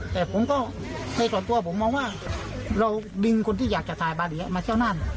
แต่ผมก็ในตัวตัวผมมองว่าเราดิงคนที่อยากจัดสายบาหลีมาเที่ยวนั่น